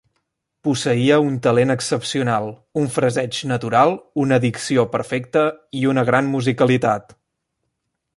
Posseïa un talent excepcional, un fraseig natural, una dicció perfecta i una gran musicalitat.